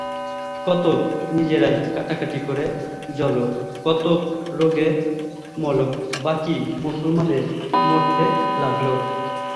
কতক নিজেরাই কাটাকাটি করে মলো, কতক রোগে মলো, বাকী মুসলমানে মারতে লাগল।